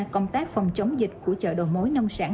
công tác phòng chống dịch của chợ đầu mối nông sản